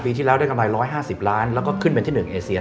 ปีที่แล้วได้กำไรร้อยห้าสิบล้านแล้วก็ขึ้นเป็นที่หนึ่งเอเซีย